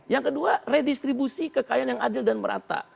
yang kedua redistribusi kekayaan yang adil dan merata